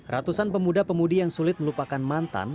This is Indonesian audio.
ratusan pemuda pemudi yang sulit melupakan mantan